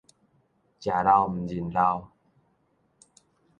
食老毋認老